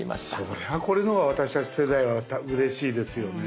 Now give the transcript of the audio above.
そりゃあこれの方が私たち世代はうれしいですよね。